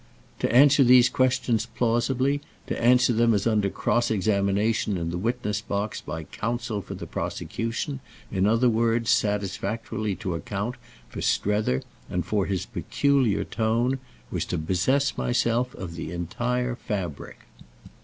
_ To answer these questions plausibly, to answer them as under cross examination in the witness box by counsel for the prosecution, in other words satisfactorily to account for Strether and for his "peculiar tone," was to possess myself of the entire fabric.